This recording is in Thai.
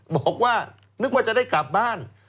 บอกว่านึกว่าจะได้กลับบ้าน